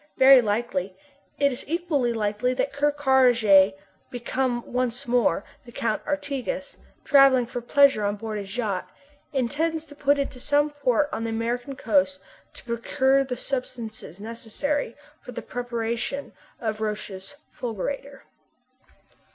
Very likely. It is equally likely that Ker Karraje, become once more the Count d'Artigas, travelling for pleasure on board his yacht, intends to put into some port on the American coast to procure the substances necessary to the preparation of Roch's fulgurator.